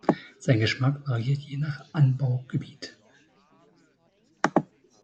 Sein Geschmack variiert je nach Anbaugebiet.